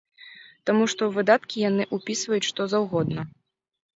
Таму што ў выдаткі яны ўпісваюць што заўгодна.